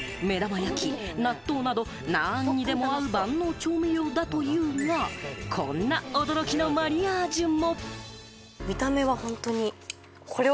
目玉焼き、納豆など何にでも合う万能調味料だというが、こんな驚きのマリアージュも。